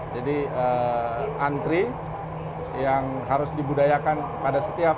jadi antri yang harus dibudayakan pada setiap